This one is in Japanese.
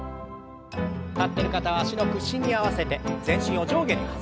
立ってる方は脚の屈伸に合わせて全身を上下に弾ませます。